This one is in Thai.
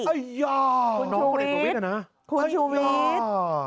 คุณชูวิทคุณชูวิท